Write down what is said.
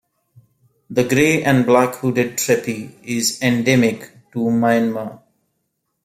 The grey and black hooded treepie is endemic to Myanmar.